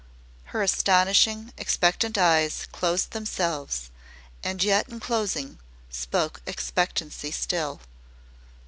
Her astonishing, expectant eyes closed themselves, and yet in closing spoke expectancy still.